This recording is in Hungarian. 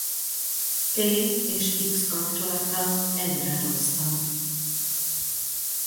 P és X kapcsolata egyre rosszabb.